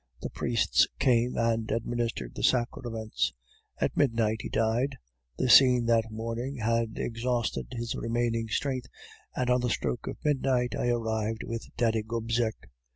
The priests came and administered the sacraments. "At midnight he died; the scene that morning had exhausted his remaining strength, and on the stroke of midnight I arrived with Daddy Gobseck.